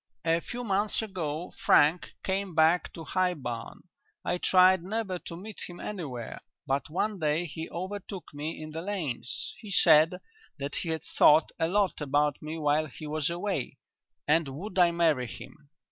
"A few months ago Frank came back to High Barn. I tried never to meet him anywhere, but one day he overtook me in the lanes. He said that he had thought a lot about me while he was away, and would I marry him.